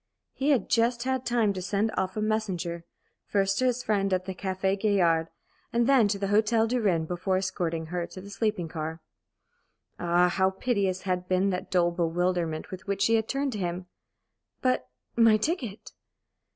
He had just had time to send off a messenger, first to his friend at the Café Gaillard, and then to the Hôtel du Rhin, before escorting her to the sleeping car. Ah, how piteous had been that dull bewilderment with which she had turned to him! "But my ticket?"